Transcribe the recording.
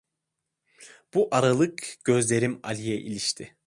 Bu aralık gözlerim Ali'ye ilişti.